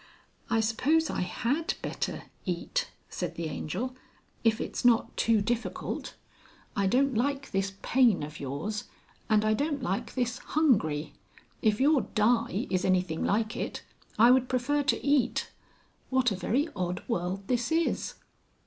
"I suppose I had better Eat," said the Angel. "If it's not too difficult. I don't like this 'Pain' of yours, and I don't like this 'Hungry.' If your 'Die' is anything like it, I would prefer to Eat. What a very odd world this is!"